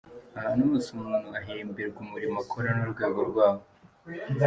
Ahantu hose umuntu ahemberwa umurimo akora n’urwego rwawo.